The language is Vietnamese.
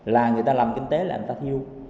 là người ta làm kinh tế là người ta thiêu